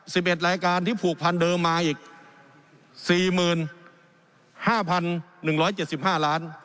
สิบเอ็ดรายการที่ผูกพันเดิมมาอีกสี่หมื่นห้าพันหนึ่งร้อยเจ็ดสิบห้าล้าน